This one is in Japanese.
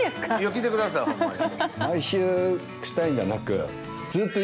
来てくださいホンマに。